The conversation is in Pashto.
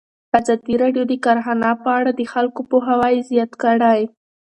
ازادي راډیو د کرهنه په اړه د خلکو پوهاوی زیات کړی.